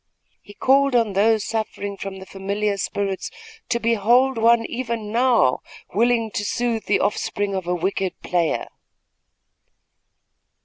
He called on those suffering from the familiar spirits to behold one even now willing to soothe the offspring of a wicked player.